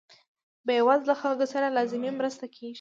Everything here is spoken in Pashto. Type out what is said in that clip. بې وزله خلکو سره لازمې مرستې کیږي.